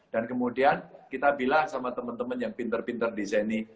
dan kemudian kita bilang sama temen temen yang pinter pinter desain nih